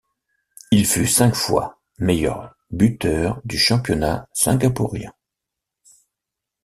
Il fut cinq fois meilleur buteur du championnat singapourien.